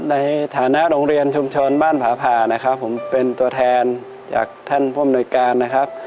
ในฐานะโรงเรียนชุมชนบ้านผาผ่านะครับผมเป็นตัวแทนจากท่านผู้อำนวยการนะครับ